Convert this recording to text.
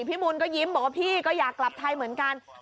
พี่มูลก็ยิ้มบอกว่าพี่ก็อยากกลับไทยเหมือนกัน